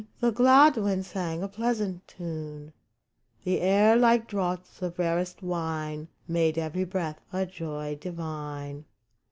The glad winds sang a pleasant tune ; The air, like draughts of rarest wine. Made every breath a joy divine.